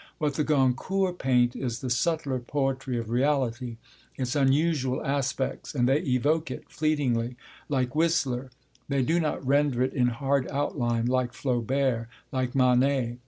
What the Goncourts paint is the subtler poetry of reality, its unusual aspects, and they evoke it, fleetingly, like Whistler; they do not render it in hard outline, like Flaubert, like Manet.